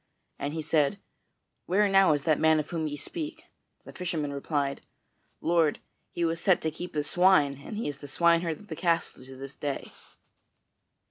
And he said, "Where now is that man of whom ye speak?" The fisherman replied: "Lord, he was set to keep the swine, and he is the swineherd of the castle to this day."